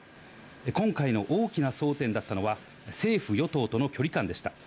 今回の大きな争点だったのは、政府・与党との距離感でした。